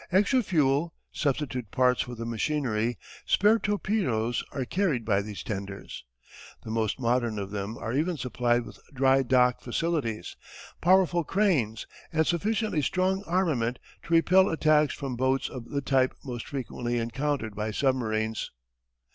Extra fuel, substitute parts for the machinery, spare torpedoes are carried by these tenders. The most modern of them are even supplied with dry dock facilities, powerful cranes, and sufficiently strong armament to repel attacks from boats of the type most frequently encountered by submarines.